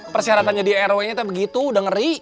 persyaratannya di rw nya begitu udah ngeri